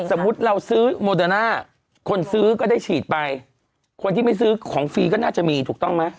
สมมุติเราซื้อโมเดอร์น่าคนซื้อก็ได้ฉีดไปคนที่ไม่ซื้อของฟรีก็น่าจะมีถูกต้องไหม